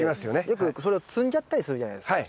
よくそれを摘んじゃったりするじゃないですか。